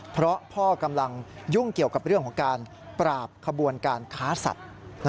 เพราะพ่อกำลังยุ่งเกี่ยวกับเรื่องของการปราบขบวนการค้าสัตว์